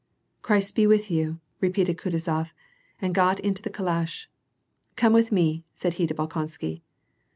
"Christ be with you," repeated Kutuzof, and got into the calash. "Come with me," said he to Bolkonsky.